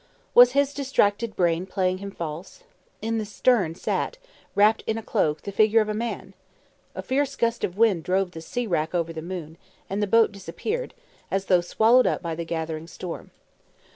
Was his distracted brain playing him false? in the stern sat, wrapped in a cloak, the figure of a man! A fierce gust of wind drove the sea rack over the moon, and the boat disappeared, as though swallowed up by the gathering storm.